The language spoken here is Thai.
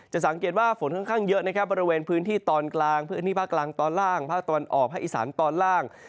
สังเกตว่าฝนค่อนข้างเยอะนะครับบริเวณพื้นที่ตอนกลางพื้นที่ภาคกลางตอนล่างภาคตะวันออกภาคอีสานตอนล่าง